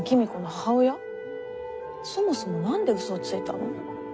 そもそも何で嘘をついたの？